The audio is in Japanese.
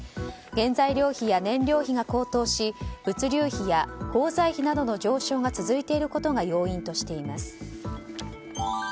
原材料費や燃料費が高騰し物流費や鋼材費などの上昇が続いていることが要因としています。